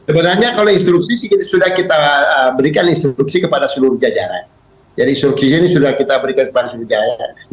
sebenarnya kalau instruksi sudah kita berikan instruksi kepada seluruh jajaran jadi instruksi ini sudah kita berikan kepada swijaya